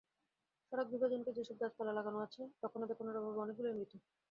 সড়ক বিভাজকে যেসব গাছ লাগানো আছে, রক্ষণাবেক্ষণের অভাবে অনেকগুলোই মৃত।